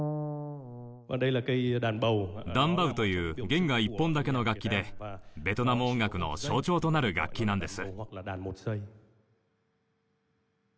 ダン・バウという弦が１本だけの楽器でベトナム音楽の象徴となる楽器なんです。